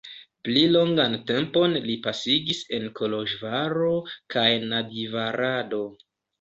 Pli longan tempon li pasigis en Koloĵvaro kaj Nadjvarado.